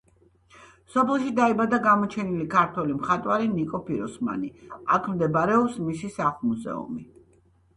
სოფელში დაიბადა გამოჩენილი ქართველი მხატვარი ნიკო ფიროსმანი, აქ მდებარეობს მისი სახლ-მუზეუმი.